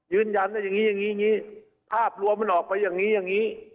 ยืนยันว่าอย่างนี้อย่างนี้ภาพรวมมันออกไปอย่างนี้อย่างนี้